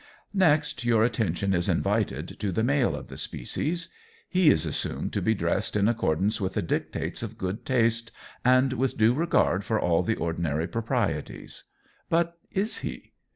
Next your attention is invited to the male of the species. He is assumed to be dressed in accordance with the dictates of good taste and with due regard for all the ordinary proprieties. But is he?